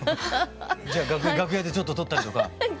じゃ楽屋でちょっと撮ったりとか。